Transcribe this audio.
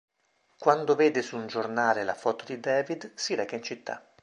Quando vede su un giornale la foto di David, si reca in città.